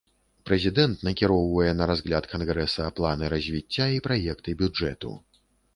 Прэзідэнт накіроўвае на разгляд кангрэса планы развіцця і праекты бюджэту.